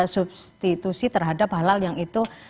substitusi terhadap halal yang itu